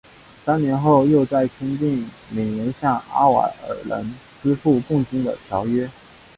三年后又再次签订每年向阿瓦尔人支付贡金的条约。